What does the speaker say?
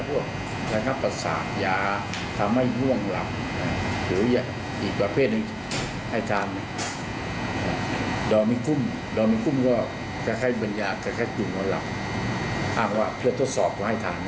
วันนี้ก็ได้ดูด้วยนะ